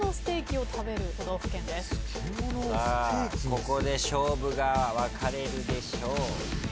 ここで勝負が分かれるでしょう。